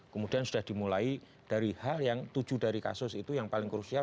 kemudian sudah dimulai dari hal yang tujuh dari kasus itu yang paling krusial